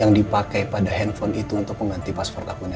yang dipakai pada handphone itu untuk mengganti paspor akunya